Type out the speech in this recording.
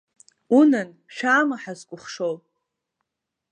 Унан, шәаама ҳазкәыхшоу?!